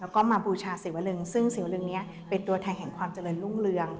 แล้วก็มาบูชาศิวลึงซึ่งศิวลึงนี้เป็นตัวแทนแห่งความเจริญรุ่งเรือง